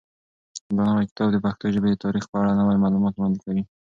دا نوی کتاب د پښتو ژبې د تاریخ په اړه نوي معلومات وړاندې کوي.